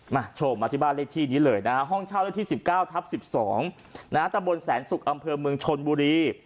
มาที่บ้านเร็กที่นี้เลยนะห้องเช่าได้ที่๑๙ทัพ๑๒นะครับตะบลแสนสุขอำเภอเมืองชนบุรี